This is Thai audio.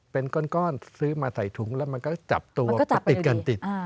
เป็นก้อนก้อนซื้อมาใส่ถุงแล้วมันก็จับตัวมันก็จับไปดีกันติดอ่า